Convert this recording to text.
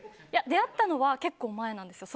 出会ったのは結構前なんですよ。